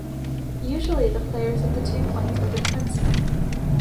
Usually the players at the two points are the defencemen.